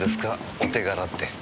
お手柄って。